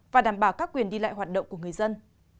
và đảm bảo các quyền đi lại hoạt động của người dân